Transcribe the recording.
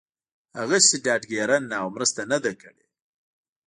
هغسې ډاډ ګيرنه او مرسته نه ده کړې